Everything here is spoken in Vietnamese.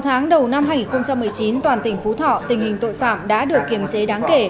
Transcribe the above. sáu tháng đầu năm hai nghìn một mươi chín toàn tỉnh phú thọ tình hình tội phạm đã được kiểm chế đáng kể